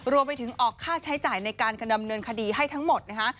รวมไปถึงออกค่าใช้จ่ายในการดำเนินคดีให้ทั้งหมดนะคะ